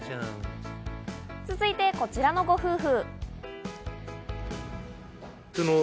続いて、こちらのご夫婦。